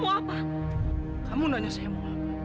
kemana kamu sampai dirimi